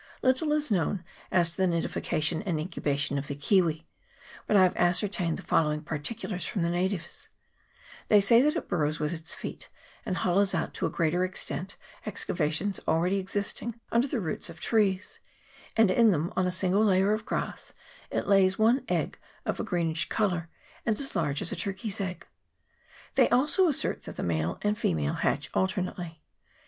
Little is known as to the nidification and incubation of the kiwi ; but I have ascertained the following particulars from the natives : They say that it burrows with its feet, and hollows out to a greater extent excavations already existing under the roots of trees ; and in them, on a single layer of grass, it lays one egg of a greenish colour and as large as a turkey's egg. They also assert that the male and female hatch alternately.